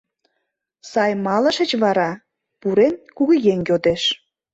— Сай малышыч вара? — пурен, кугыеҥ йодеш.